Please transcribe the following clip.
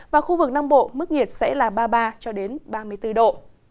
và khu vực nam bộ mức nhiệt sẽ là ba mươi ba ba mươi bốn độ